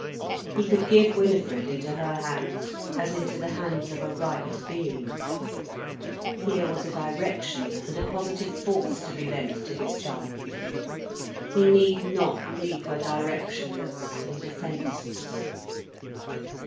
He could give Winifred into her hands as into the hands of a right being. Here was a direction and a positive force to be lent to his child, he need not leave her directionless and defenceless.